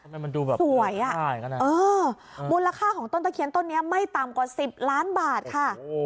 มันดูแบบสวยมูลค่าของต้นตะเขียนต้นนี้ไม่ตามกว่า๑๐ล้านบาทค่ะ